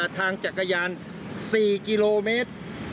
ทางจักรยาน๔กิโลเมตร